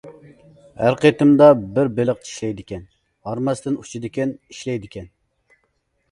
ھەر قېتىمدا بىر بېلىق چىشلەيدىكەن، ھارماستىن ئۇچىدىكەن، ئىشلەيدىكەن.